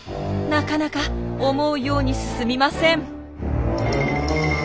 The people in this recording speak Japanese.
なかなか思うように進みません。